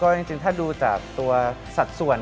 จริงถ้าดูจากตัวสัดส่วน